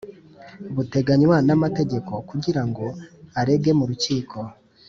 buteganywa namategeko kugira ngo arege mu rukiko